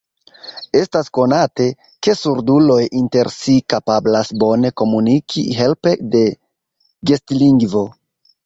Estas konate, ke surduloj inter si kapablas bone komuniki helpe de gestlingvo.